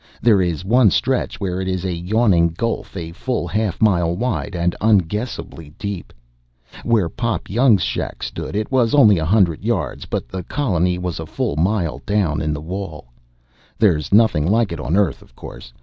There is one stretch where it is a yawning gulf a full half mile wide and unguessably deep. Where Pop Young's shack stood it was only a hundred yards, but the colony was a full mile down, in one wall. There is nothing like it on Earth, of course.